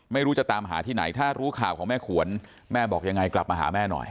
ไม่รู้จะตามหาที่ไหนถ้ารู้ข่าวของแม่ขวนแม่บอกยังไงกลับมาหาแม่หน่อย